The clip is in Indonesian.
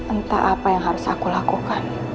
entah apa yang harus aku lakukan